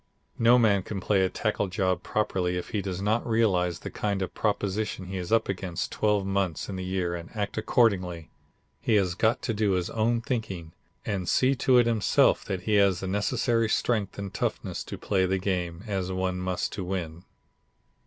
No man can play a tackle job properly if he does not realize the kind of a proposition he is up against twelve months in the year and act accordingly. He has got to do his own thinking, and see to it himself that he has the necessary strength and toughness, to play the game, as one must to win."